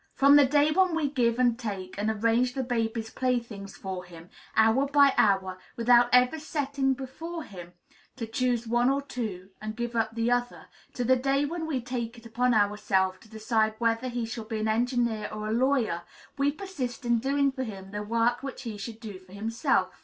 From the day when we give, and take, and arrange the baby's playthings for him, hour by hour, without ever setting before him to choose one of two and give up the other, to the day when we take it upon ourselves to decide whether he shall be an engineer or a lawyer, we persist in doing for him the work which he should do for himself.